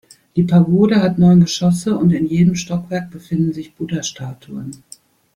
Die Pagode hat neun Geschosse und in jedem Stockwerk befindet sich Buddhastatuen.